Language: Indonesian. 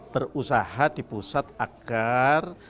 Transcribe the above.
berusaha di pusat agar